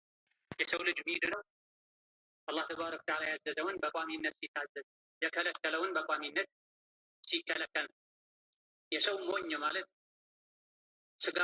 Conflict soon resulted, however.